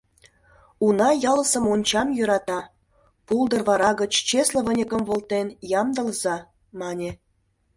«Уна ялысе мончам йӧрата, пулдыр вара гыч чесле выньыкым волтен ямдылыза», — мане.